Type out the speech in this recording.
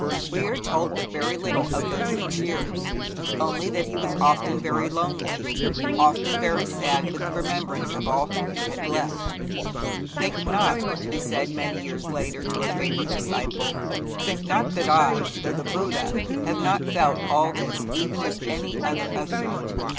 We are told but very little of those six years, only that he was often very lonely, often very sad with the remembrance of all whom he had left. 'Think not,' he said many years later to a favourite disciple 'think not that I, though the Buddha, have not felt all this even as any other of you.